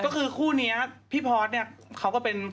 ก็คือคู่นี้พี่พอร์ตเนี่ยเขาก็เป็น